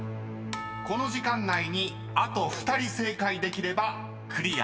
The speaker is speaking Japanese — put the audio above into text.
［この時間内にあと２人正解できればクリアです］